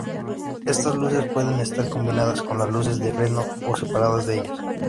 Estas luces pueden estar combinadas con las luces de freno, o separadas de ellas.